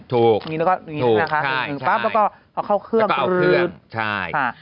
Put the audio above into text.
ถูกนี่แล้วก็ถูกค่ะใช่ใช่แล้วก็เอาเข้าเครื่องแล้วก็เอาเครื่องใช่